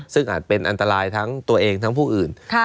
ซึ่งอาจเป็นอันตรายทั้งตัวเองทั้งผู้อื่น